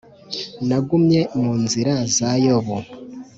Nagumye mu nzira za yobu